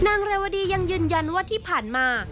เรวดียังยืนยันว่าที่ผ่านมา